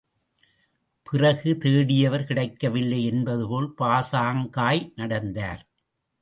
பிறகு தேடியவர் கிடைக்கவில்லை என்பதுபோல் பாசாங்காய் நடந்தார்.